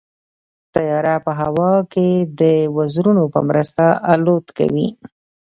طیاره په هوا کې د وزرونو په مرسته الوت کوي.